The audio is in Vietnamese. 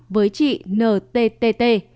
với chị nttt